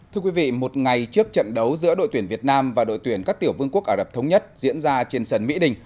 thưa quý vị một ngày trước trận đấu giữa đội tuyển việt nam và đội tuyển các tiểu vương quốc ả rập thống nhất diễn ra trên sân mỹ đình